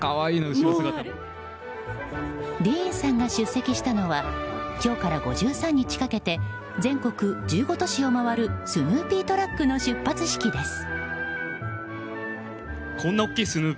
ディーンさんが出席したのは今日から５３日かけて全国１５都市を回るスヌーピートラックの出発式です。